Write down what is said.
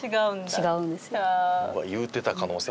違うんですよ。